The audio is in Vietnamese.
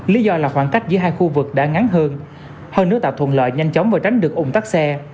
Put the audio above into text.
lý do là khoảng cách giữa hai khu vực đã ngắn hơn hơn nữa tạo thuận lợi nhanh chóng và tránh được ủng tắc xe